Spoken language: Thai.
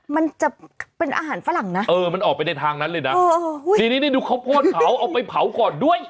มันจะเป็นอาหารฝรั่งนะเออมันออกไปในทางนั้นเลยนะทีนี้ได้ดูข้าวโพดเผาเอาไปเผาก่อนด้วย